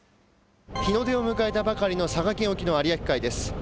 日の出を迎えたばかりの佐賀県沖の有明海です。